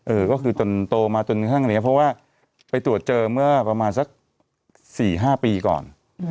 เออก็คือตัวโตมาตัวนี้เพราะว่าไปตรวจเจอเมื่อสัก๔๐๕๐ปีก่อน